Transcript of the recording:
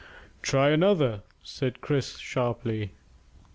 "Try another," said Chris sharply.